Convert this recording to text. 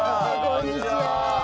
こんにちは！